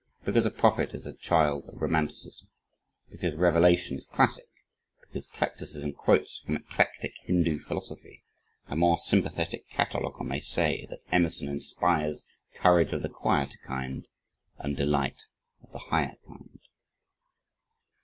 Because a prophet is a child of romanticism because revelation is classic, because eclecticism quotes from eclectic Hindu Philosophy, a more sympathetic cataloguer may say, that Emerson inspires courage of the quieter kind and delight of the higher kind.